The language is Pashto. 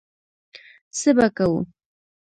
څه به کوو.